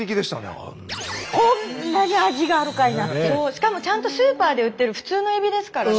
しかもちゃんとスーパーで売ってる普通のエビですからね。